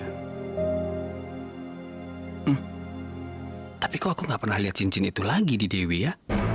hmm tapi kok aku gak pernah lihat cincin itu lagi di dewi ya